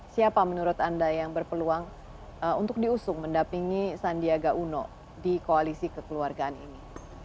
siapa menurut anda yang berpeluang untuk diusung mendapingi sandiaga uno di koalisi kekeluargaan ini